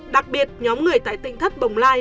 đặc biệt nhóm người tại tỉnh thất bồng lai